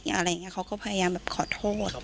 อะไรอย่างนี้เขาก็พยายามแบบขอโทษ